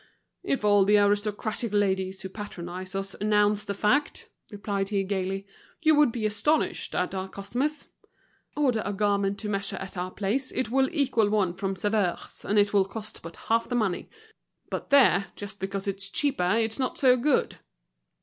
"If all the aristocratic ladies who patronize us announced the fact," replied he, gaily, "you would be astonished at our customers. Order a garment to measure at our place, it will equal one from Sauveur's, and will cost but half the money. But there, just because it's cheaper it's not so good."